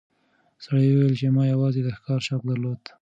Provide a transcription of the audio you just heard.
سړي وویل چې ما یوازې د ښکار شوق درلود.